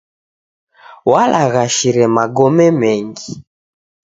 Walaghashire magome mengi.